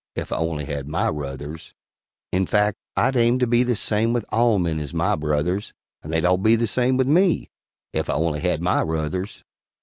Ef I only had my ruthers; In fact I'd aim to be the same With all men as my brothers; And they'd all be the same with me Ef I only had my ruthers.